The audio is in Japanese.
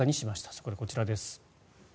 そこでこちらです。